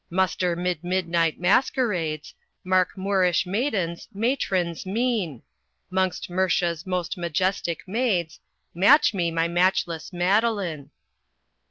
"Muster 'mid midnight masquerades, Mark Moorish maidens', matrons' mien, 'Mongst Murcia's most majestic maids, Match me my matchless Madeline.